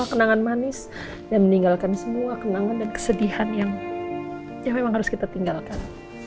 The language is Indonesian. kenangan manis dan meninggalkan semua kenangan dan kesedihan yang memang harus kita tinggalkan